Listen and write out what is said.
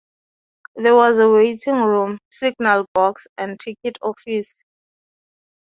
There was a waiting room, signal box and ticket office.